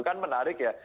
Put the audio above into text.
kan menarik ya